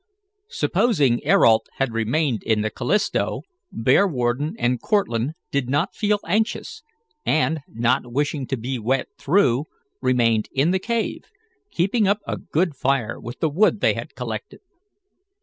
Supposing Ayrault had remained in the Callisto, Bearwarden and Cortlandt did not feel anxious, and, not wishing to be wet through, remained in the cave, keeping up a good fire with the wood they had collected.